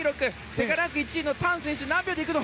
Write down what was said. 世界ランク１位のタン選手、何秒で行くの？